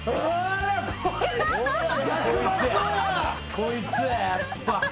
こいつややっぱ。